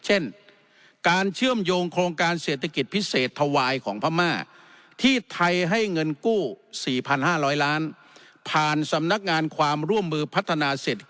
เช่นการเชื่อมโยงโครงการเศรษฐกิจพิเศษทวายของพม่าที่ไทยให้เงินกู้๔๕๐๐ล้าน